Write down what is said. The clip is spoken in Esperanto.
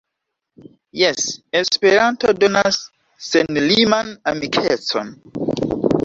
Jes, Esperanto donas senliman amikecon!